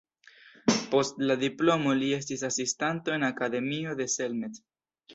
Post la diplomo li estis asistanto en Akademio de Selmec.